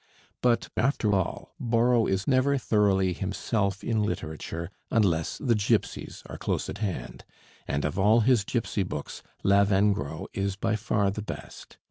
But after all, Borrow is never thoroughly himself in literature unless the gipsies are close at hand; and of all his gipsy books 'Lavengro' is by far the best.